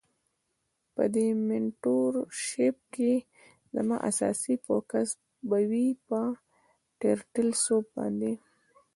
په دی مینټور شیپ کی زما اساسی فوکس به وی په ټرټل سوپ باندی.